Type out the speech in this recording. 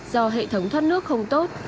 do hệ thống thoát nước không tốt